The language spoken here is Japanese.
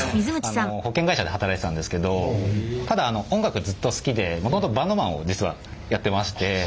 保険会社で働いてたんですけどただ音楽がずっと好きでもともとバンドマンを実はやってまして。